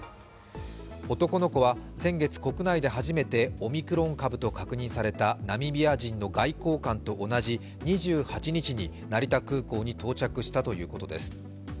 男の子は先月、国内で初めてオミクロン株と確認されたナミビア人の外交官と同じ、２８日に成田空港に到着したということです。